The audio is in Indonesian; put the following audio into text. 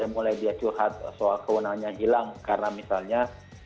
mulai dia curhat soal kewenangannya hilang karena misalnya